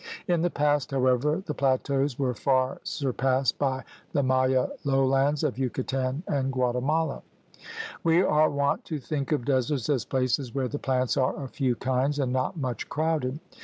In the past, however, the plateaus were far surpassed by the Maya lowlands of Yucatan and Guatemala. We are wont to think of deserts as places where the plants are of few kinds and not much crowded.